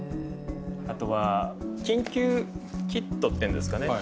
あとは緊急キットっていうんですかね。